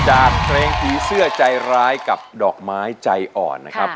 จากเพลงผีเสื้อใจร้ายกับดอกไม้ใจอ่อนนะครับ